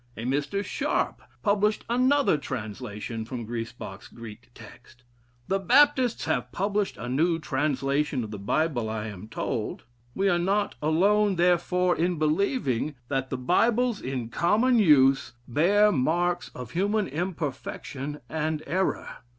A Mr. Sharp published another translation from Griesbach's Greek text. The Baptists have published a new translation of the Bible, I am told.... We are not alone, therefore, in believing that the Bibles in common use bear marks of human imperfection and error.